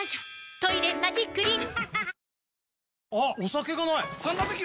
「トイレマジックリン」